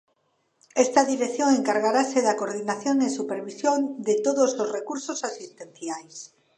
Esta dirección encargarase da coordinación e supervisión de todos os recursos asistenciais.